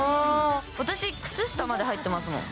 私、靴下まで入ってますもん。